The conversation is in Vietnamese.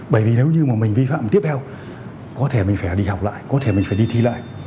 bởi vì nếu như mà mình vi phạm tiếp theo có thể mình phải đi học lại có thể mình phải đi thi lại